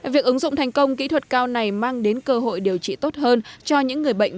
việc ứng dụng thành công kỹ thuật cao này mang đến cơ hội điều trị tốt hơn cho những người bệnh